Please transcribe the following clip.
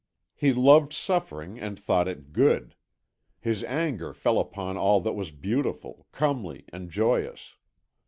He loved suffering, and thought it good; his anger fell upon all that was beautiful, comely, and joyous.